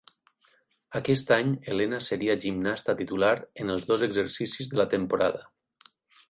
Aquest any Elena seria gimnasta titular en els dos exercicis de la temporada.